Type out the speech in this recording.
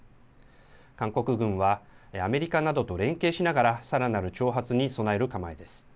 韓国軍はアメリカなどと連携しながらさらなる挑発に備える構えです。